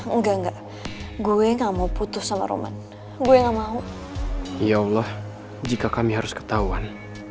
enggak enggak gue gak mau putus sama roman gue gak mau ya allah jika kami harus ketahuan